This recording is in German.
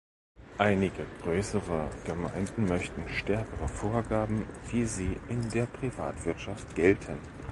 Einige größere Gemeinden möchten stärkere Vorgaben, wie sie in der Privatwirtschaft gelten.